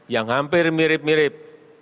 yang hampir mirip mirip